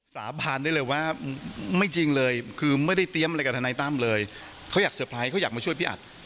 สาบานได้เลยว่าไม่จริงเลยคือไม่ได้เตรียมอะไรกับทนายตั้มเลยเขาอยากเตอร์ไพรส์เขาอยากมาช่วยพี่อัด